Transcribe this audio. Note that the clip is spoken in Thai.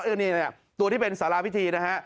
อันนี้เนี่ยตัวที่เป็นสาราพิธีนะฮะ